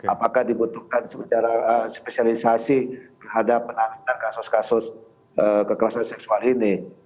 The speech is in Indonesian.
apakah dibutuhkan secara spesialisasi terhadap penanganan kasus kasus kekerasan seksual ini